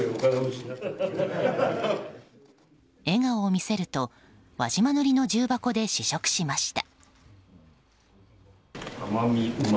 笑顔を見せると輪島塗の重箱で試食しました。